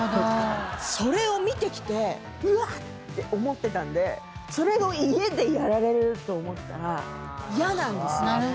それを見てきてうわっ！って思ってたんでそれを家でやられると思ったら嫌なんですよ。